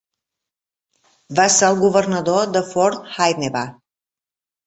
Va ser el governador de Fort Winnebah.